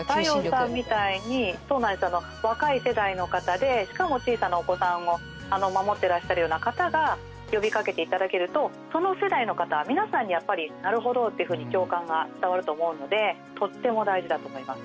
太陽さんみたいにそうなんです若い世代の方でしかも小さなお子さんを守ってらっしゃるような方が呼びかけて頂けるとその世代の方皆さんにやっぱり「なるほど」っていうふうに共感が伝わると思うのでとっても大事だと思います。